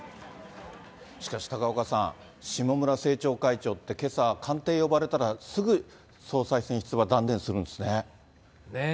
しかし高岡さん、下村政調会長って、けさ、官邸呼ばれたら、すぐ総裁選出馬断念するんですね。